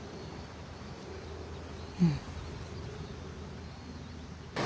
うん。